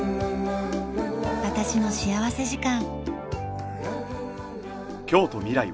『私の幸福時間』。